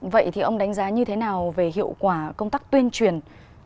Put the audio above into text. vậy thì ông đánh giá như thế nào về hiệu quả công tác tuyên truyền